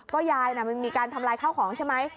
ก็ยายมีการทำลายข้าวของใช่ไหม